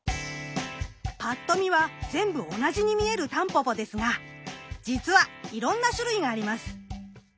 ぱっと見は全部同じに見えるタンポポですがじつはいろんな種類があります。